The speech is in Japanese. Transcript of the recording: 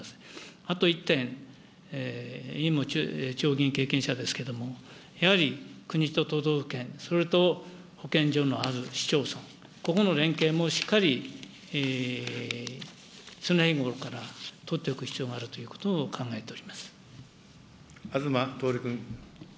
あと１点、委員も地方議員経験者ですけれども、やはり国と都道府県、それと保健所のある市町村、ここの連携もしっかり、常日頃からとっておく必要があるというこ東徹君。